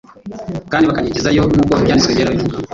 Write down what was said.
kandi bakanyigizayo, nk'uko Ibyanditswe byera bibivuga,